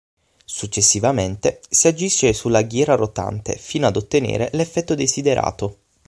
Successivamente, si agisce sulla ghiera rotante fino ad ottenere l'effetto desiderato.